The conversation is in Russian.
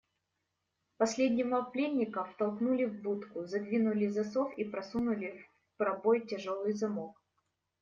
Последнего пленника втолкнули в будку, задвинули засов и просунули в пробой тяжелый замок.